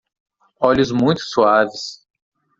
Olhos muito suaves